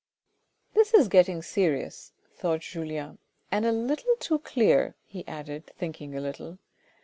" This is getting serious," thought Julien, " and a little too clear," he added after thinking a little.